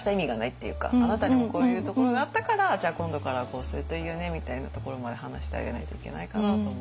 あなたにもこういうところがあったからじゃあ今度からはこうするといいよねみたいなところまで話してあげないといけないかなと思うので。